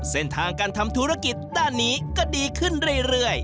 เส้นทางการทำธุรกิจด้านนี้ก็ดีขึ้นเรื่อย